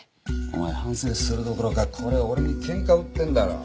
お前反省するどころかこれ俺に喧嘩売ってんだろ？